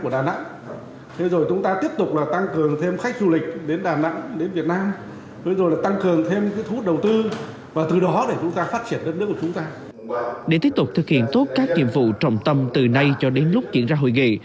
để tiếp tục thực hiện tốt các nhiệm vụ trọng tâm từ nay cho đến lúc chuyển ra hội nghị